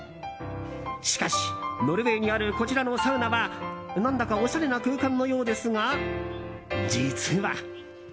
しかし、ノルウェーにあるこちらのサウナは何だかおしゃれ空間のようですが実は。